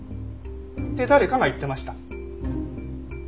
って誰かが言ってました。